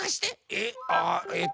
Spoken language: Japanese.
えっ？